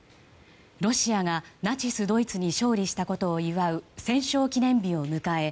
ロシアがナチスドイツに勝利したことを祝う戦勝記念日を迎え